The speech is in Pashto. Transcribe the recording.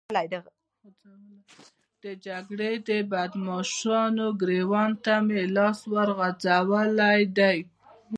د جګړې د بدماشانو ګرېوان ته مې لاس ورغځولی دی.